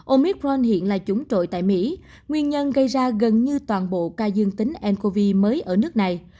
omicron hiện là chủng trội tại mỹ nguyên nhân gây ra gần như toàn bộ ca dương tính ncov mới ở nước này